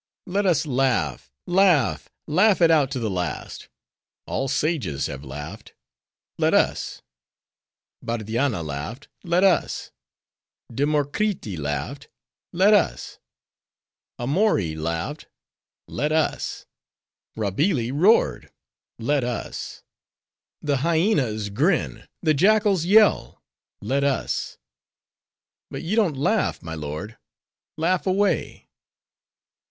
—let us laugh, laugh, laugh it out to the last. All sages have laughed,—let us; Bardianna laughed, let us; Demorkriti laughed,—let us: Amoree laughed,—let us; Rabeelee roared,—let us; the hyenas grin, the jackals yell,—let us.—But you don't laugh, my lord? laugh away!"